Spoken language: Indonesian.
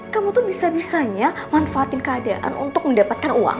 kamu tuh bisa bisanya manfaatin keadaan untuk mendapatkan uang